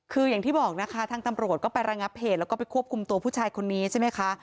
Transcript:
คืออย่างที่บอกนะคะทางตำรวจก็ไประงับเหตุแล้วก็ไปควบคุมตัวผู้ชายคนนี้ใช่ไหมคะ